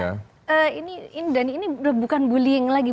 karena ini dan ini bukan bullying lagi